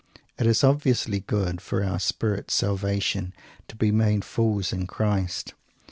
It is obviously good for our spirit's salvation to be made Fools in Christ.